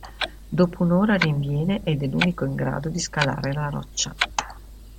Dopo un'ora rinviene ed è l'unico in grado di scalare la roccia.